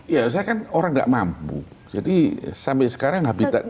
ya saya kan orang nggak mampu jadi sampai sekarang habitat